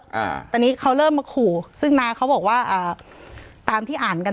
อ่าตอนนี้เขาเริ่มมาขู่ซึ่งน้าเขาบอกว่าอ่าตามที่อ่านกัน